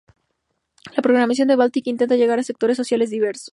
La programación del Baltic intenta llegar a sectores sociales diversos.